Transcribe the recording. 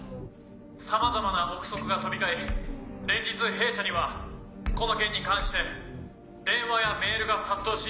さまざまな憶測が飛び交い連日弊社にはこの件に関して電話やメールが殺到し。